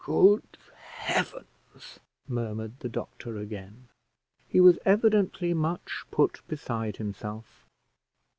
"Good heavens!" murmured the doctor again; he was evidently much put beside himself.